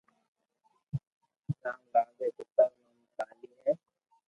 رام لال ري پيتا رو نوم ڪاليي ھي